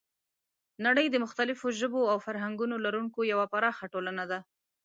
نړۍ د مختلفو ژبو او فرهنګونو لرونکی یوه پراخه ټولنه ده.